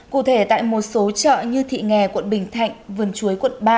cụ thể tại một số chợ như thị nghè quận bình thạnh vườn chuối quận ba